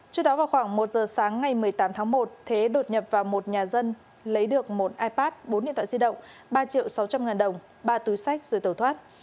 trước đó vào khoảng một giờ sáng ngày một mươi tám tháng một thế đột nhập vào một nhà dân lấy được một ipad bốn điện thoại di động ba triệu sáu trăm linh ngàn đồng ba túi sách rồi tẩu thoát